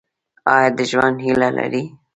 ایا د ژوند هیله لرئ؟